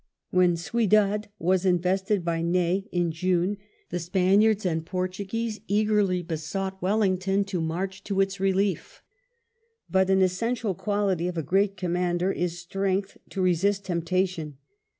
When Ciudad was invested by Ney in June, the Spaniards and Portuguese eagerly besought Wellington to march to its relief ; but an essential quality of a great commander is strength to resist temptation.